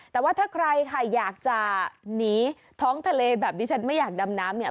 แต่ว่าถ้าใครค่ะอยากจะหนีท้องทะเลแบบนี้ฉันไม่อยากดำน้ำเนี่ย